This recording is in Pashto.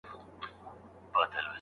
چي تر شمېر او تر حساب یې تېر سي مړي